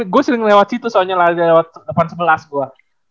gue sering lewat situ soalnya lah lewat delapan sebelas gue